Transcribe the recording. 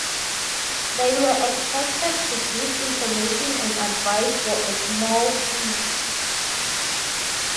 They were expected to give information and advice for a small fee.